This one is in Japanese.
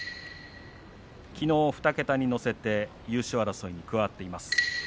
きのう、２桁に乗せて優勝争いに加わっています。